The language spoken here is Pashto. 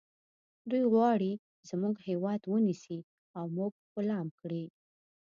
دوی غواړي زموږ هیواد ونیسي او موږ غلام کړي